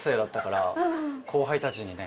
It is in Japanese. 後輩たちにね。